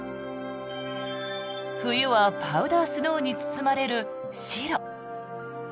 冬はパウダースノーに包まれる白。